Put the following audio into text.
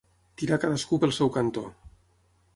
Tirar cadascú pel seu cantó.